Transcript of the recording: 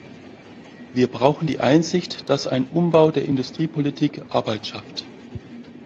Wir brauchen die Einsicht, dass ein Umbau der Industriepolitik Arbeit schafft.